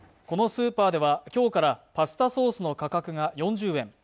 このスーパーでは今日からパスタソースの価格が４０円